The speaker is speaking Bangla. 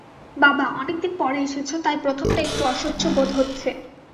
বাবা, অনেক দিন পরে এসেছ, তাই প্রথমটা একটু অসহ্য বোধ হচ্ছে।